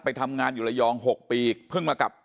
ทำงานอยู่ระยอง๖ปีเพิ่งมากลับ